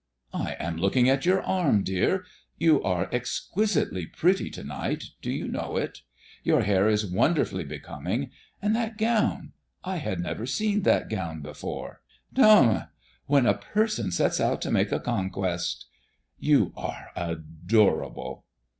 "I am looking at your arm, dear. You are exquisitely pretty to night; do you know it? Your hair is wonderfully becoming, and that gown I had never seen that gown before." "Dame! When a person starts out to make a conquest!" "You are adorable!"